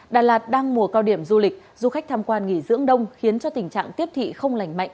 đà lạt đang mùa cao điểm du lịch du khách tham quan nghỉ dưỡng đông khiến cho tình trạng tiếp thị không lành mạnh